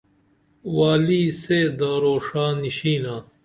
والی سے دارو ڜا نیشینا